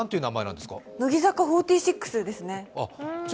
乃木坂４６ですね。